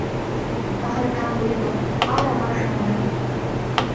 তাঁহার প্রাণ বলিল, আর আমার সয় না।